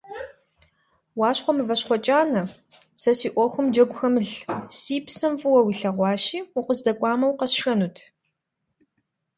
Уащхъуэ Мыващхъуэ КӀанэ, сэ си Ӏуэхум джэгу хэмылъ: си псэм фӀыуэ уилъэгъуащи, укъыздэкӀуэмэ, укъэсшэнут!